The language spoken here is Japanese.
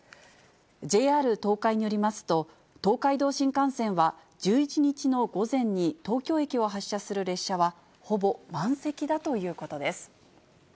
ＪＲ東海によりますと、東海道新幹線は１１日の午前に東京駅を発車する列車はほぼ満席だということです。